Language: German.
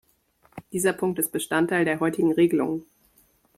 Dieser Punkt ist Bestandteil der heutigen Regelung.